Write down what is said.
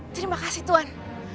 terima kasih tuhan